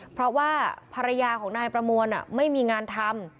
เพราะว่าภรรยาของนายประมวลไม่มีงานทำ